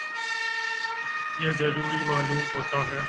یہ ضروری معلوم ہوتا ہے